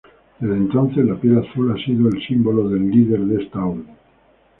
Desde entonces, la piel azul ha sido el símbolo del líder de esta orden.